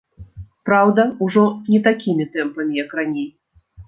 Праўда, ужо не такімі тэмпамі, як раней.